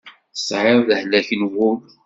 Tesɛiḍ lehlak n wul.